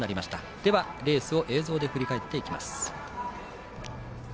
では、レースを映像で振り返っていきます。